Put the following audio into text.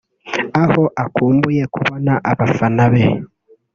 aho akumbuye kubona abafana be